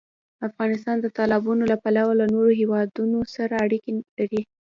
افغانستان د تالابونه له پلوه له نورو هېوادونو سره اړیکې لري.